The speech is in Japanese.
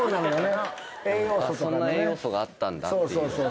そんな栄養素があったんだっていう。